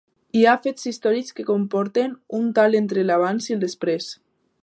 Hi ha fets històrics que comporten un tall entre l'abans i el després.